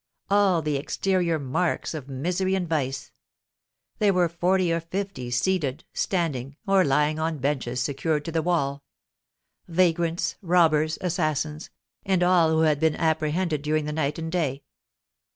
All the exterior marks of misery and vice! There were forty or fifty seated, standing, or lying on benches secured to the wall, vagrants, robbers, assassins, and all who had been apprehended during the night and day.